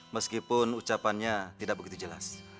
meskipun ucapannya tidak begitu jelas